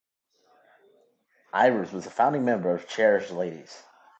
Ivers was a founding member of Cherish the Ladies.